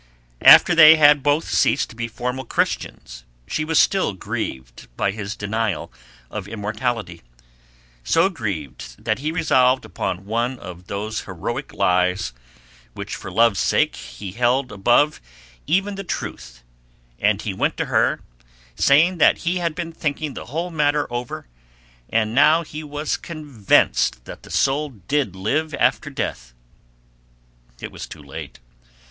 After they had both ceased to be formal Christians, she was still grieved by his denial of immortality, so grieved that he resolved upon one of those heroic lies, which for love's sake he held above even the truth, and he went to her, saying that he had been thinking the whole matter over, and now he was convinced that the soul did live after death. It was too late.